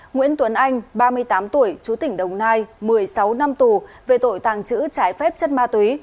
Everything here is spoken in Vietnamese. nguyễn tuấn anh ba mươi tám tuổi chú tỉnh đồng nai một mươi sáu năm tù về tội tàng trữ trái phép chất ma túy